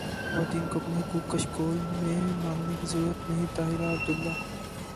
خواتین کو اپنے حقوق کشکول میں مانگنے کی ضرورت نہیں طاہرہ عبداللہ